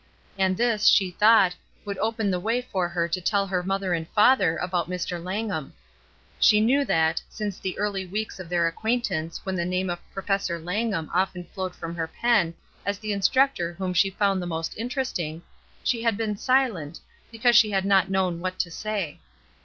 And this, she thought, would open the way for her to tell her mother and father about Mr, Langham. She knew that, since the early weeks of their acquaintance when the name of "Professor Langham" often flowed from her pen as the instructor whom she found the most interesting, she had been silent, because she had not known what to say.